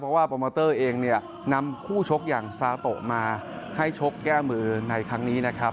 เพราะว่าโปรโมเตอร์เองเนี่ยนำคู่ชกอย่างซาโตะมาให้ชกแก้มือในครั้งนี้นะครับ